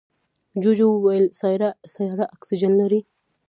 جوجو وویل سیاره اکسیجن لري.